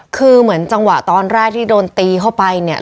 คือเหมือนจังหวะตอนแรกที่โดนตีเข้าไปเนี่ย